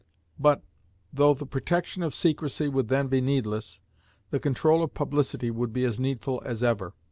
But, though the protection of secrecy would then be needless, the control of publicity would be as needful as ever.